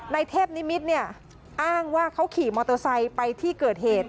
เทพนิมิตรเนี่ยอ้างว่าเขาขี่มอเตอร์ไซค์ไปที่เกิดเหตุ